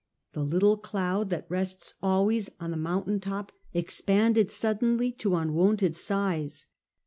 The little cloud that rests always on the mountain top ex panded suddenly to unwonted size.